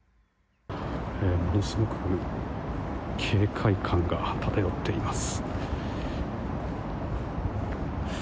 ものすごく警戒感が漂っています。